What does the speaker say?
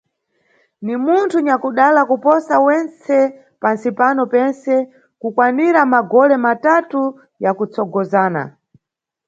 Ni munthu nyakudala kuposa wentse pantsi pano pentse kukwanira magole matatu ya kutsogozana.